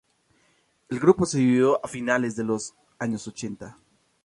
El grupo se dividió a finales de los años ochenta.